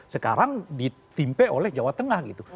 sekarang ditimpe oleh jawa tengah gitu